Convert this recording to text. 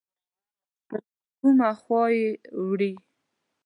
پر کومه خوا یې وړي؟